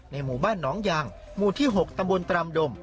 หมู่บ้านน้องยางหมู่ที่๖ตำบลตรำดม